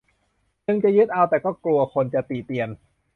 จึงจะยึดเอาแต่ก็กลัวคนจะติเตียน